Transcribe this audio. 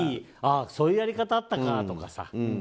そういうやり方あったかとか。